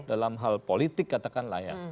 dalam hal politik katakanlah ya